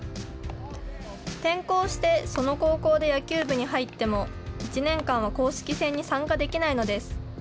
転校してその高校で野球部に入っても、１年間は公式戦に参加できないのです。